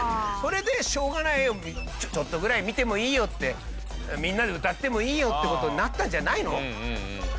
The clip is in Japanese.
それでしょうがないちょっとぐらい見てもいいよってみんなで歌ってもいいよって事になったんじゃないの？